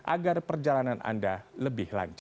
agar perjalanan anda lebih lanjut